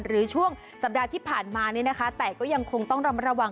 ช่วงสัปดาห์ที่ผ่านมานี่นะคะแต่ก็ยังคงต้องระมัดระวัง